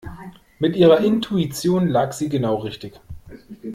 Mit ihrer Intuition lag sie genau richtig.